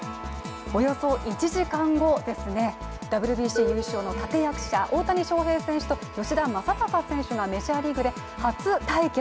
およそ１時間後、ＷＢＣ優勝の立て役者、大谷翔平選手と吉田正尚選手がメジャーリーグで初対決。